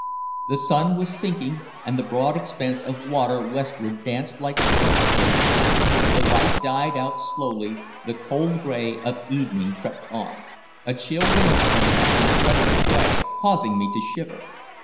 The sun was sinking, and the broad expanse of water westward danced like liquid gold. The light died out slowly, the cold gray of evening crept on. A chill wind sprang up and swept the quay, causing me to shiver.